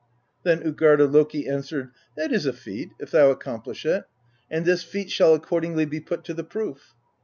Then Utgarda Loki answered: ^That is a feat, if thou accomplish it; and this feat shall accordingly be put to the proof.'